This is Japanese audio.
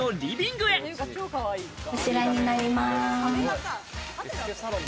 こちらになります。